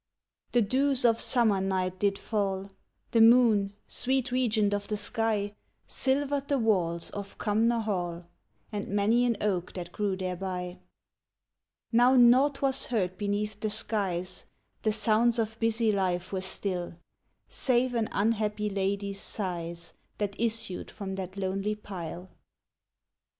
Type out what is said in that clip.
"] The dews of summer night did fall; The moon, sweet regent of the sky, Silvered the walls of Cumnor Hall, And many an oak that grew thereby. Now naught was heard beneath the skies, The sounds of busy life were still, Save an unhappy lady's sighs, That issued from that lonely pile.